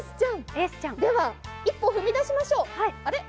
では、一歩踏み出しましょうあれ？